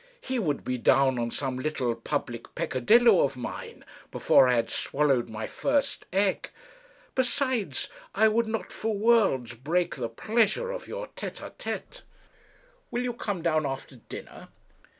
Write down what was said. He would be down on some little public peccadillo of mine before I had swallowed my first egg. Besides, I would not for worlds break the pleasure of your tête à tête.' 'Will you come down after dinner?'